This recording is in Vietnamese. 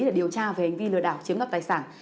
để điều tra về hành vi lừa đảo chiếm đoạt tài sản